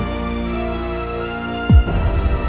aku akan selalu mencintai kamu